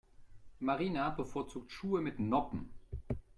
Marina bevorzugt Schuhe mit Noppen.